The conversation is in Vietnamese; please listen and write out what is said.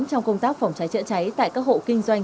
trong công tác phòng cháy chữa cháy